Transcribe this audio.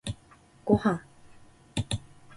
ごはん